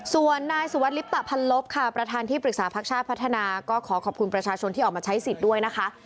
ส่วนนายสุวัสดลิปตะพันลบค่ะประธานที่ปรึกษาพักชาติพัฒนาก็ขอขอบคุณประชาชนที่ออกมาใช้สิทธิ์ด้วยนะคะ